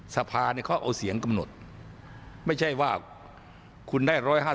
สภาเนี่ยเขาเอาเสียงกำหนดไม่ใช่ว่าคุณได้๑๕๐